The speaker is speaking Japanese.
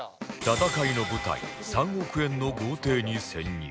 戦いの舞台３億円の豪邸に潜入